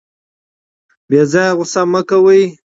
بې ځایه غوسه مه کوئ.